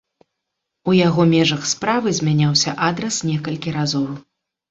У яго ў межах справы змяняўся адрас некалькі разоў.